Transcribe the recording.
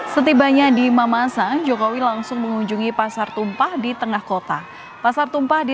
setibanya di mamasa jokowi langsung mengunjungi pasar tumpah di tengah kota pasar tumpah di